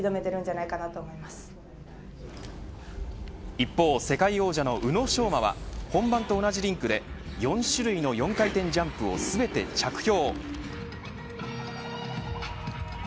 一方、世界王者の宇野昌磨は本番と同じリンクで４種類の４回転ジャンプを全て着氷。